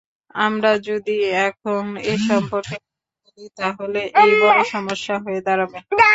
আমরা যদি এখন এ সম্পর্কে কথা বলি তাহলে এটা বড় সমস্যা হয়ে দাঁড়াবে।